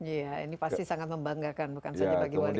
iya ini pasti sangat membanggakan bukan saja bagi wanita